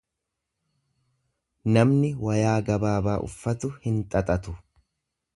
Namni wayaa gabaabaa uffatu hin xaxatu.